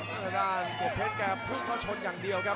ทางด้านกบเพชรแกพุ่งเข้าชนอย่างเดียวครับ